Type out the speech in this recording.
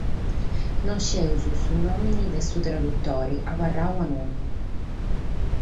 No ischimus su nùmene de su tradutore, abarradu anònimu.